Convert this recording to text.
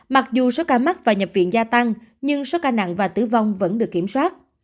mặc dù số ca mắc và nhập viện gia tăng nhưng số ca nặng và tử vong vẫn được kiểm soát